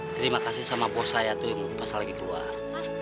terima kasih sama bos saya tuh yang pas lagi keluar